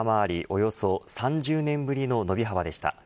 およそ３０年ぶりの伸び幅でした。